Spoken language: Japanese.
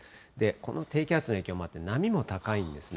この低気圧の影響もあって、波も高いんですね。